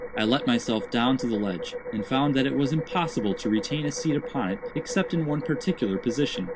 "I let myself down to the ledge, and found that it was impossible to retain a seat upon it except in one particular position.